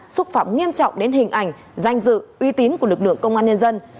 xúc phạm nghiêm trọng đến hình ảnh danh dự uy tín của lực lượng công an nhân dân